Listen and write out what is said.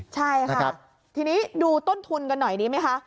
ใช่ค่ะทีนี้ดูต้นทุนกันหน่อยดีไหมคะ